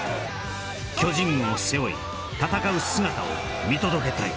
巨人軍を背負い戦う姿を見届けたい